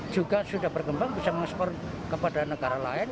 juga sudah berkembang bisa mengekspor kepada negara lain